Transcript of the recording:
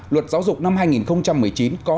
luật giáo dục năm hai nghìn một mươi chín có